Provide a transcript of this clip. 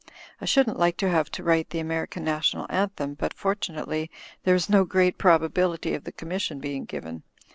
I shouldn't like to have to write the American National Anthem, but fortu nately there is no great probability of the commission being given.